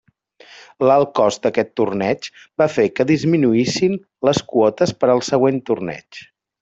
L'alt cost d'aquest torneig va fer que disminuïssin les quotes per al següent torneig.